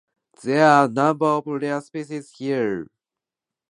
There are a number of rare species here, including butterflies, moths, and flowers.